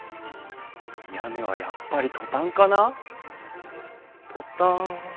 屋根はやっぱりトタンかな？